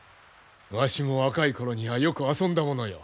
わしも若い頃にはよく遊んだものよ。